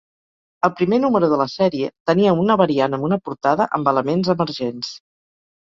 El primer número de la sèrie tenia una variant amb una portada amb elements emergents.